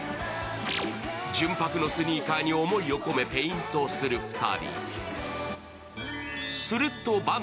純白のスニーカーに思いを込めペイントする２人。